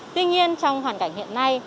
tuy nhiên trong hoàn cảnh hiện nay